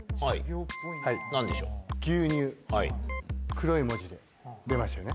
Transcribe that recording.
黒い文字で出ましたよね。